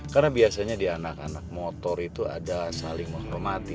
karena biasanya di anak anak motor itu ada saling menghormati